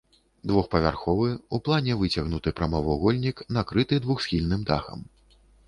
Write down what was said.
Двухпавярховы, у плане выцягнуты прамавугольнік, накрыты двухсхільным дахам.